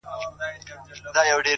دعا . دعا .دعا . دعا كومه.